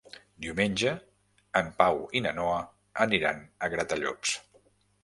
Diumenge en Pau i na Noa aniran a Gratallops.